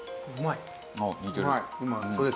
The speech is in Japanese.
うまい。